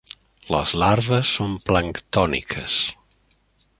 Les larves són planctòniques.